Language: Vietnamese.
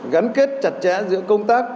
gắn kết chặt chẽ giữa công tác